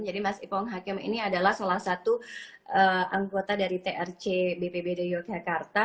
jadi mas ipong hakim ini adalah salah satu anggota dari trc bpbd yogyakarta